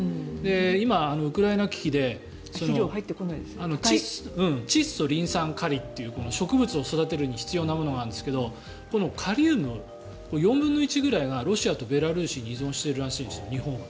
今、ウクライナ危機で窒素、リン酸、カリという植物を育てるのに必要なのがあるんですがカリウムの４分の１ぐらいがロシアとベラルーシに依存しているらしいんです。